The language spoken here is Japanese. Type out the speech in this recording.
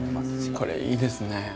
これいいですね。